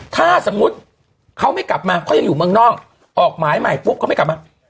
ถ้าสมมุติเขาไม่กลับมาเขายังอยู่เมืองนอกออกหมายใหม่ปุ๊บเขาไม่กลับมา